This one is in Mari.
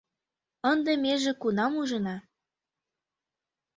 Ынде меже кунам ужына